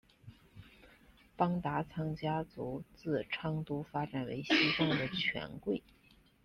邦达仓家族自昌都发展为西藏的权贵。